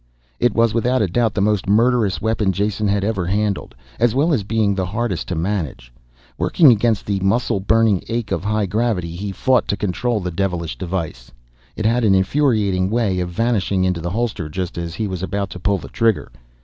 It was without a doubt the most murderous weapon Jason had ever handled, as well as being the hardest to manage. Working against the muscle burning ache of high gravity, he fought to control the devilish device. It had an infuriating way of vanishing into the holster just as he was about to pull the trigger.